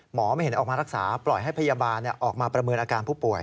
ไม่เห็นออกมารักษาปล่อยให้พยาบาลออกมาประเมินอาการผู้ป่วย